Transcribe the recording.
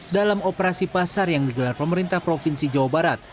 dalam operasi pasar yang digelar pemerintah provinsi jawa barat